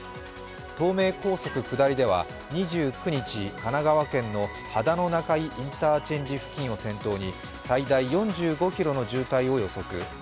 東名高速下りでは２９日、神奈川県の秦野中井インターチェンジを先頭に最大４５ｋｍの渋滞を予測。